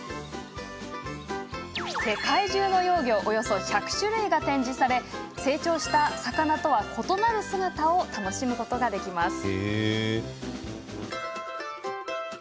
世界中の幼魚およそ１００種類が展示され成長した魚とは異なる姿を楽しむことができます。